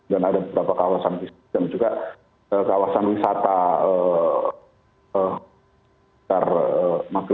dan ada beberapa kawasan yang juga kawasan wisata